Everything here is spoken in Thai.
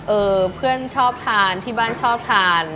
เพื่อนชอบทานที่บ้านชอบทาน